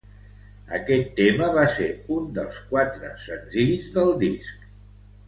Aquest tema va ser un dels quatre senzills del disc.